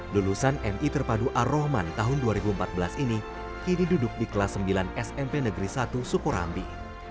lulusan mi terpadu ar rahman tahun dua ribu empat belas ini kini duduk di kelas sembilan smp negeri satu sukorambi